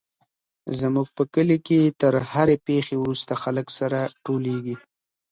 زموږ په کلي کي تر هرې پېښي وروسته خلک سره ټولېږي.